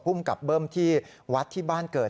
ภูมิกับเบิ้มที่วัดที่บ้านเกิด